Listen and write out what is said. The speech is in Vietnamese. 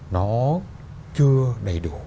nó chưa đầy đủ